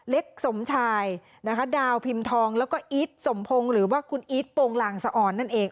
สมชายนะคะดาวพิมพ์ทองแล้วก็อีทสมพงศ์หรือว่าคุณอีทโปรงลางสะออนนั่นเอง